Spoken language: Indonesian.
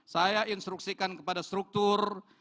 saya instruksikan kepada struktur